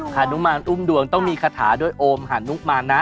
ฮานุมานอุ้มดวงต้องมีคาถาด้วยโอมหานุมานะ